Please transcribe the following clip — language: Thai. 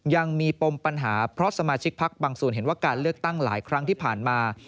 ปมปัญหาเพราะสมาชิกพักบางส่วนเห็นว่าการเลือกตั้งหลายครั้งที่ผ่านมา